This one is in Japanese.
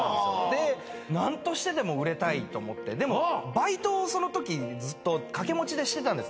で何としてでも売れたいと思ってでもバイトをその時ずっとかけもちでしてたんですね